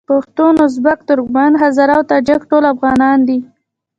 پښتون، ازبک، ترکمن، هزاره او تاجک ټول افغانان دي.